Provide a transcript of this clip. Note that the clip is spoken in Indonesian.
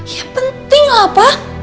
ya penting apa